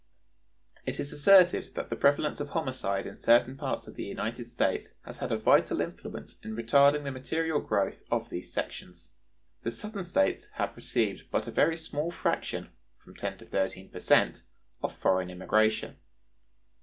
(128) It is asserted that the prevalence of homicide in certain parts of the United States has had a vital influence in retarding the material growth of those sections. The Southern States have received but a very small fraction (from ten to thirteen per cent) of foreign immigration.